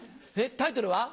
タイトルは？